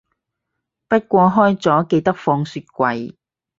不過開咗記得放雪櫃